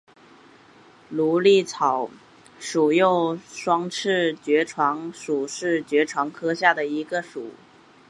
芦莉草属又名双翅爵床属是爵床科下的一个属。